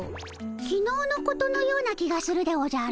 きのうのことのような気がするでおじゃる。